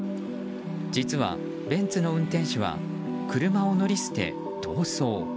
実は、ベンツの運転手は車を乗り捨て、逃走。